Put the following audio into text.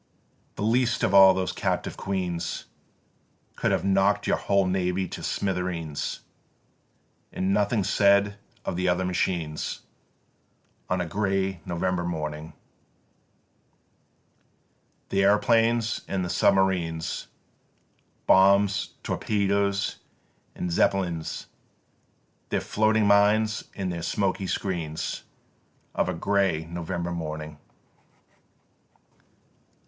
6. "The least of all those captive queens Could have knock'd your whole navy to smithereens, And nothing said of the other machines, On a grey November morning, The aeroplanes and the submarines, Bombs, torpedoes, and Zeppelins, Their floating mines and their smoky screens, Of a grey November morning.